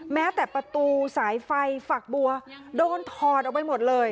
แม้แต่ประตูสายไฟฝักบัวโดนถอดออกไปหมดเลย